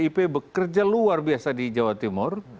baik pkb maupun pdip bekerja luar biasa di jawa timur